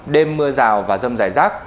đêm mưa rào và rông dài rác